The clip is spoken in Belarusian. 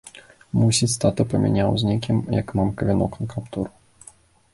Мусіць, тата памяняў з некім, як мамка вянок на каптур.